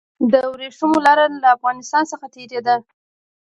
د ورېښمو لاره له افغانستان څخه تیریده